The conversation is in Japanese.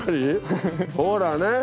ほらね！